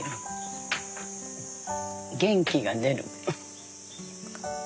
元気が出る。